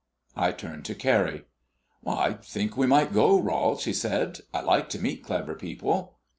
I turned to Carrie. "I think we might go, Rol," she said. "I like to meet clever people."